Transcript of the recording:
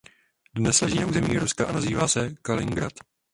Dnes leží na území Ruska a nazývá se Kaliningrad.